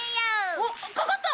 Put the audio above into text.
おっかかった！